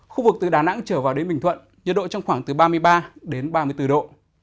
khu vực từ đà nẵng trở vào đến bình thuận nhiệt độ trong khoảng từ ba mươi ba đến ba mươi bốn độ